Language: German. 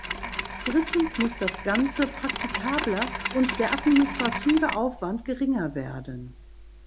Drittens muss das Ganze praktikabler und der administrative Aufwand geringer werden.